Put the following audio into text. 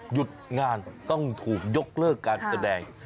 หยุดงานต้องถูกยกเลิกการแสดง